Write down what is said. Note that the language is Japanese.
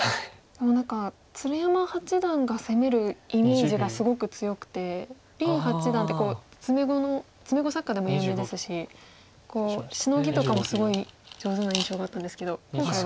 何か鶴山八段が攻めるイメージがすごく強くて林八段って詰碁の詰碁作家でも有名ですしシノギとかもすごい上手な印象があったんですけど今回は。